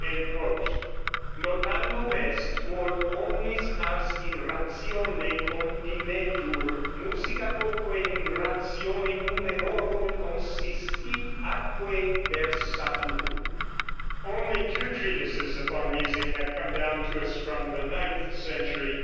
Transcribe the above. ("Notandum est, quod omnis ars in ratione continetur. Musica quoque in ratione numerorum consistit atque versatur.") Only two treatises upon music have come down to us from the ninth century.